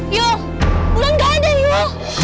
yul bulan gak ada yul